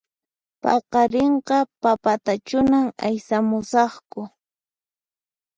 Paqarinqa papatachunan aysamusaqku